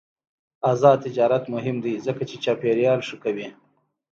آزاد تجارت مهم دی ځکه چې چاپیریال ښه کوي.